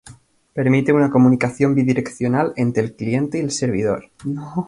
Permite una comunicación bidireccional entre el cliente y el servidor.